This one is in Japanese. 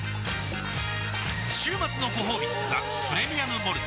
週末のごほうび「ザ・プレミアム・モルツ」